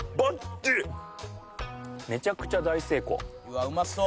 「うわっうまそう！」